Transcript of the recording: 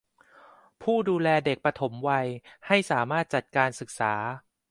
ผู้ดูแลเด็กปฐมวัยให้สามารถจัดการศึกษา